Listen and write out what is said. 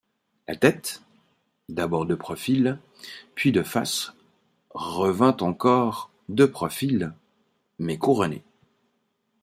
La tête, d'abord de profil, puis de face, revint encore de profil mais couronnée.